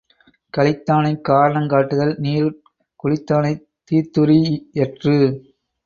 களித்தானைக் காரணங் காட்டுதல் நீருட் குளித்தானைத் தீத்துரீ யற்று.